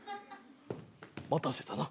待たせたな。